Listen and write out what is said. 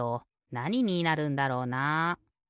なにになるんだろうな？